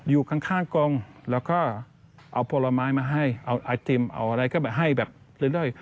อยู่ข้างกองแล้วก็เอาผลไม้มาให้เอาไอติมเอาอะไรก็ให้แบบเรื่อย